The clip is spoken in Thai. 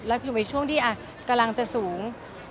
แล้วก็อยู่ในช่วงที่อ่ะกำลังจะสูง